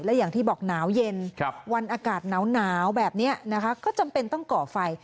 และอย่างที่บอกหนาวเย็นวันอากาศหนาวแบบนี้นะคะก็จำเป็นต้องก่อไฟ